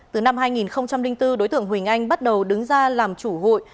từ năm hai nghìn bốn đối tượng huỳnh anh bắt đầu đứng ra làm chủ hụi